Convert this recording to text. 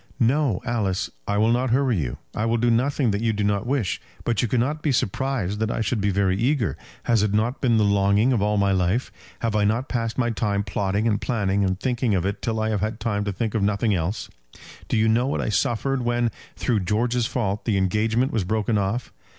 "No, Alice, I will not hurry you. I will do nothing that you do not wish. But you cannot be surprised that I should be very eager. Has it not been the longing of all my life? Have I not passed my time plotting and planning and thinking of it till I have had time to think of nothing else? Do you know what I suffered when, through George's fault, the engagement was broken off?